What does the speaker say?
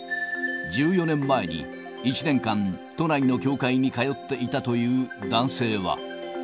１４年前に１年間、都内の教会に通っていたという男性は。